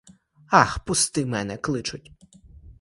Ах, пусти, мене кличуть!